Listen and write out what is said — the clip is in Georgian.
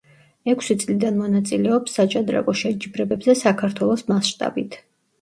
ექვსი წლიდან მონაწილეობს საჭადრაკო შეჯიბრებებზე საქართველოს მასშტაბით.